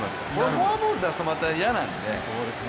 フォアボール出すとまた、嫌なんですね。